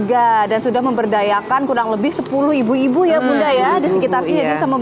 dari seribu sembilan ratus sembilan puluh tiga dan sudah memberdayakan kurang lebih sepuluh ibu ibu ya bunda ya di sekitar sini